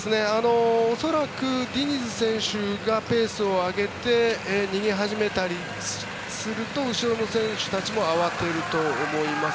恐らく、ディニズ選手がペースを上げて逃げ始めたりすると後ろの選手たちも慌てると思います。